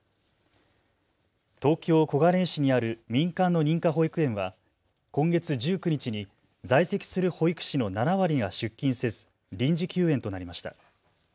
東京小金井市にある民間の認可保育園は今月１９日に在籍する保育士の７割が出勤せず臨時休園となりました。